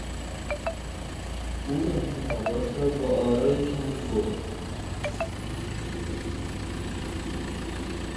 او انتخابات را با آرای کمی برد.